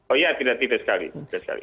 oh iya tidak sekali